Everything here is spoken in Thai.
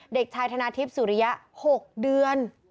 เด็กชายธนาทิพย์สุริยะ๖เดือน